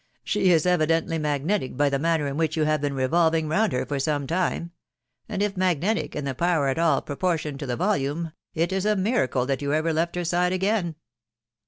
..." She is evidently magnetic, by the manner in whkh you have been revolving round her for some time; and if magnetic, and the power at all propor tioned to the volume, it is a miracle that you ever left her tide again."